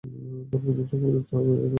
দলবেঁধে তোকে ধরতে যেতে হবে।